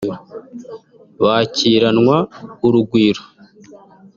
bakiranwa urugwiro